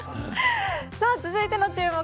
続いての注目